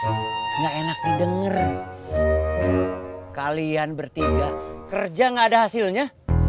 lihat gak enak didengar kalian bertiga kerja gak ada hasilnya